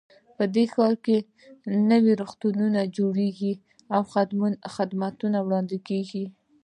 په دې ښار کې نوي روغتونونه جوړیږي او خدمتونه وړاندې کیږي